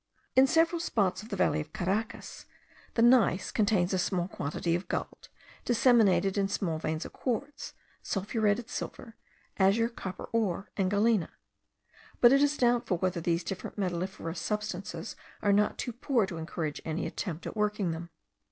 In several spots of the valley of Caracas, the gneiss contains a small quantity of gold, disseminated in small veins of quartz, sulphuretted silver, azure copper ore, and galena; but it is doubtful whether these different metalliferous substances are not too poor to encourage any attempt at working them.